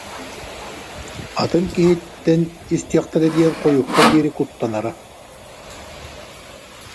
Атын киһиттэн истиэхтэрэ диэн хойукка диэри куттанара